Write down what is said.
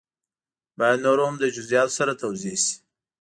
باید نور هم له جزیاتو سره توضیح شي.